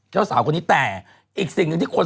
เจ้าสาวคนนี้แต่อีกสิ่งหนึ่งที่คน